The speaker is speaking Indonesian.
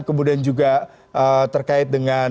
kemudian juga terkait dengan tadi ya kalau kita bicara panggilan